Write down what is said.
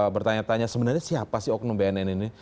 bertanya tanya sebenarnya siapa sih oknum bnn ini